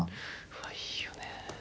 うわいいよね。